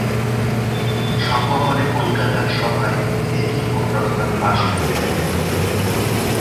সম্ভব হলে কলিকাতার সভায় ঐ একই রকম প্রস্তাব পাস করিয়ে নিতে বলবে।